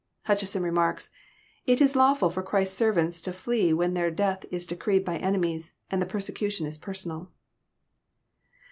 Hutcheson remarks: It is lawfUl for Christ's servants to flee when their death is decreed by enemies, and the persecution Is personal."